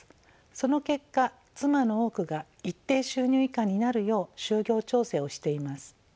その結果妻の多くが一定収入以下になるよう就業調整をしています。